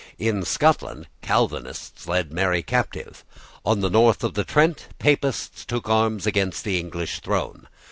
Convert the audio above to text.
In Scotland Calvinists led Mary captive. On the north of the Trent Papists took arms against the English throne.